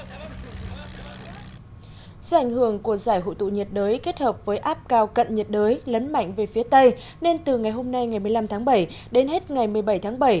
do ảnh hưởng của giải hội tụ nhiệt đới kết hợp với áp cao cận nhiệt đới lấn mạnh về phía tây nên từ ngày hôm nay ngày một mươi năm tháng bảy đến hết ngày một mươi bảy tháng bảy